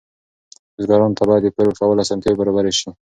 بزګرانو ته باید د پور ورکولو اسانتیاوې برابرې شي.